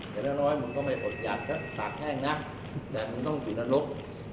อย่าให้มึงก็ไม่โอบสถิติก็ตากแห้งนะแต่มึงต้องอยู่นรก